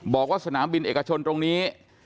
บอกว่าสนามบินเอกชนตรงนี้